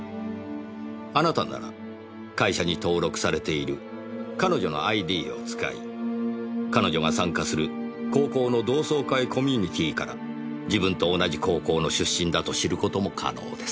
あなたなら会社に登録されている彼女のＩＤを使い彼女が参加する高校の同窓会コミュニティーから自分と同じ高校の出身だと知る事も可能です。